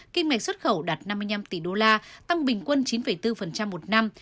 kinh mạch xuất khẩu đạt năm mươi năm tỷ đô la tăng bình quân chín bốn một năm